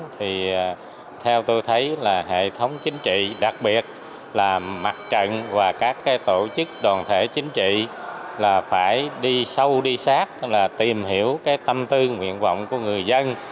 thì theo tôi thấy là hệ thống chính trị đặc biệt là mặt trận và các tổ chức đoàn thể chính trị là phải đi sâu đi sát là tìm hiểu cái tâm tư nguyện vọng của người dân